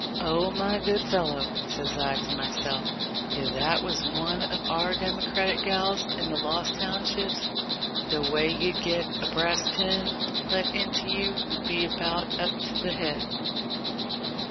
'Oh, my good fellow !' says I to myself, 'if that was one of our Democratic gals in the Lost Townships, the way you'd get a brass pin let into you would be about up to the head.'